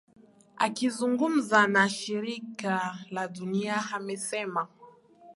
akizungumza na shirika la dunia amesema